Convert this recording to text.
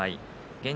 現状